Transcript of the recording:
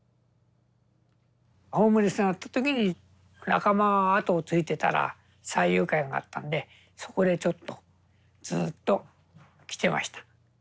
ホームレスになった時に仲間のあとをついていったら山友会があったんでそこでちょっとずっと来てました。